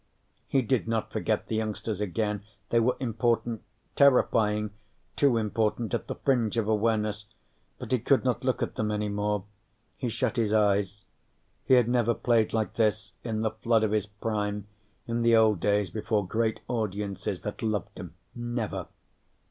He did not forget the youngsters again. They were important, terrifying, too important, at the fringe of awareness. But he could not look at them any more. He shut his eyes. He had never played like this in the flood of his prime, in the old days, before great audiences that loved him. Never.